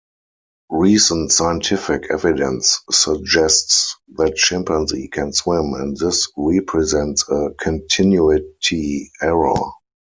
Recent scientific evidence suggests that chimpanzee can swim, and this represents a continuity error.